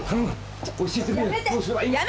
どうすればいいんだ。